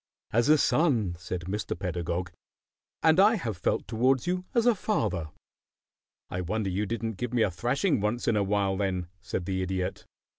"As a son," said Mr. Pedagog. "And I have felt towards you as a father." "I wonder you didn't give me a thrashing once in a while, then," said the Idiot.